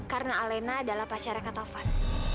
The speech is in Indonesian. karena alena adalah pacara kak taufan